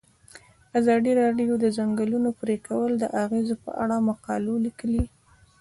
ازادي راډیو د د ځنګلونو پرېکول د اغیزو په اړه مقالو لیکلي.